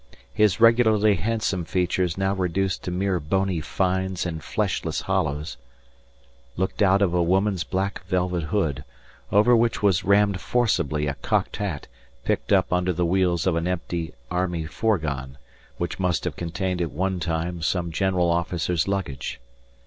His regularly handsome features now reduced to mere bony fines and fleshless hollows, looked out of a woman's black velvet hood, over which was rammed forcibly a cocked hat picked up under the wheels of an empty army fourgon which must have contained at one time some general officer's luggage.